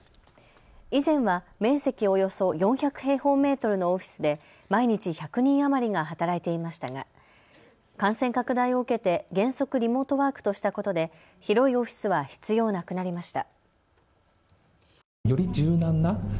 以前は面積およそ４００平方メートルのオフィスで毎日１００人余りが働いていましたが感染拡大を受けて原則リモートワークとしたことで広いオフィスは必要なくなりました。